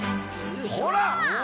ほら！